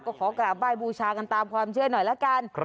ก็ขอกราบไหว้บูชากันตามความเชื่อหน่อยละกัน